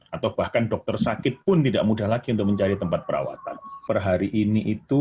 atau bahkan dokter sakit pun tidak mudah lagi untuk mencari tempat perawatan per hari ini itu